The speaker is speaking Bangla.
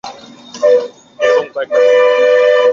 এরকম কয়েকটা দিন।